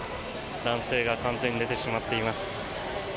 男性が完全に寝てしまっています。